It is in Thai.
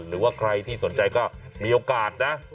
หรือว่าใครที่สนใจก็มีโอกาสนะ